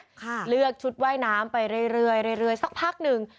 ค่ะเลือกชุดว่ายน้ำไปเรื่อยสักพักหนึ่ง